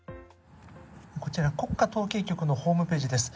こちら、国家統計局のホームページです。